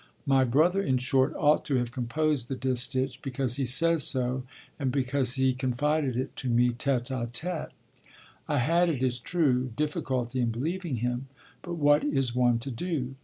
My brother, in short, ought to have composed the distich, because he says so, and because he confided it to me tête à tête. I had, it is true, difficulty in believing him; but what is one to do?